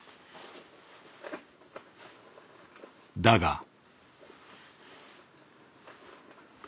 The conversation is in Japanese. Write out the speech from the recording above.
だが。